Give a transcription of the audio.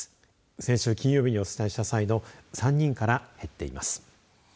先週金曜日にお伝えした際の３人から減っています。